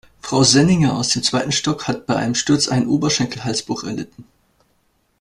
Frau Senninger aus dem zweiten Stock hat bei einem Sturz einen Oberschenkelhalsbruch erlitten.